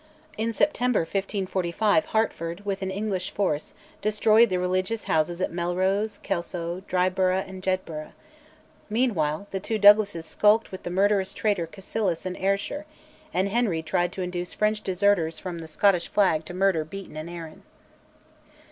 In September 1545 Hertford, with an English force, destroyed the religious houses at Melrose, Kelso, Dryburgh, and Jedburgh. Meanwhile the two Douglases skulked with the murderous traitor Cassilis in Ayrshire, and Henry tried to induce French deserters from the Scottish flag to murder Beaton and Arran.